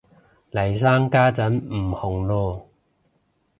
嚟生家陣唔紅嚕